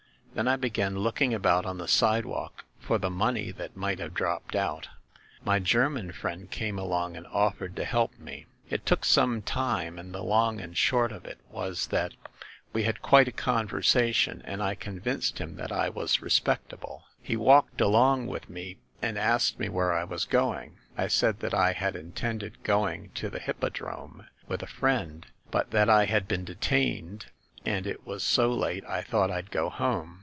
Then I began looking about on the sidewalk for the money that might have dropped out. My Ger man friend came along and offered to help me. It took some time, and the long and short of it was that we THE ASSASSINS' CLUB 257 had quite a conversation, and I convinced him that I was respectable. He walked along with me and asked me where I was going. I said that I had intended go ing to the Hippodrome with a friend; but that I had been detained, and it was so late I thought I'd go home.